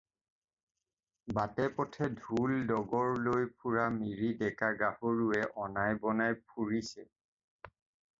বাটে-পথে ঢোল, ডগৰ লৈ ফুৰা মিৰি ডেকা-গাভৰুৱে অনাই-বনাই ফুৰিছে।